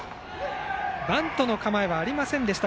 バントの構えはありませんでした